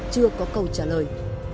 chưa có câu trả lời